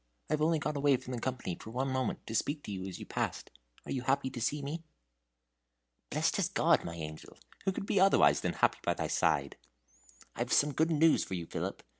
I have only got away from the company for one moment to speak to you as you passed. Are you happy to see me?" "Blest as a god, my angel, who could be otherwise than happy by thy side?" "I've some good news for you, Philip.